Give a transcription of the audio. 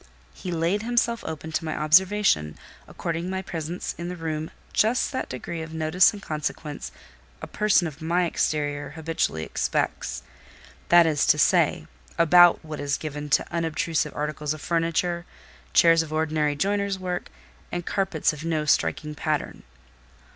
He laid himself open to my observation, according to my presence in the room just that degree of notice and consequence a person of my exterior habitually expects: that is to say, about what is given to unobtrusive articles of furniture, chairs of ordinary joiner's work, and carpets of no striking pattern.